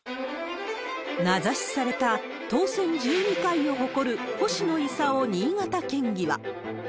名指しされた、当選１２回を誇る星野伊佐夫新潟県議は。